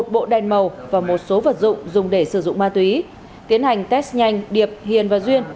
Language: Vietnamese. một bộ đèn màu và một số vật dụng dùng để sử dụng ma túy tiến hành test nhanh điệp hiền và duyên